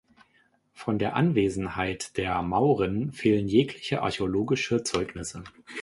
Von der Anwesenheit der Mauren fehlen jegliche archäologische Zeugnisse.